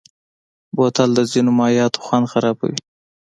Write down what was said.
بوتل د ځینو مایعاتو خوند خرابوي.